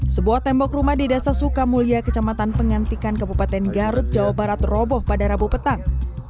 sebuah tembok rumah di dasar sukamulia kecamatan pengantikan kebupaten garut jawa barat teroboh pada rabu petang